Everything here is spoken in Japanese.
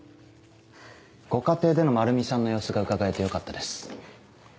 ご家庭でのまるみさんの様子が伺えてよかったです。